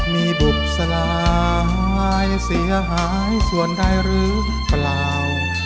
มีบุคสลายเสียหายส่วนใดหรือเปล่า